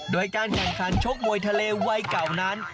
โดยการแข่งขันชกมวยทะเลวัยเก่านั้น